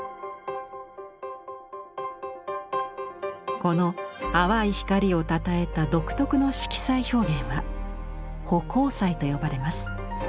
この淡い光をたたえた独特の色彩表現は「葆光彩」と呼ばれます。